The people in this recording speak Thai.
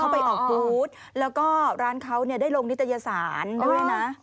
ไปออกบูธแล้วก็ร้านเขาได้ลงนิตยสารด้วยนะ